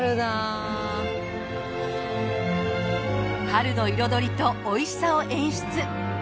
春の彩りとおいしさを演出。